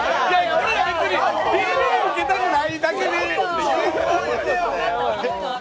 俺ら別に、ビリビリ受けたくないだけで。